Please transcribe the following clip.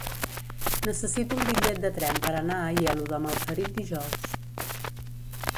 Necessito un bitllet de tren per anar a Aielo de Malferit dijous.